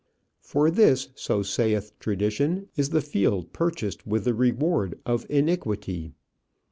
For this, so saith tradition, is the field purchased with the reward of iniquity.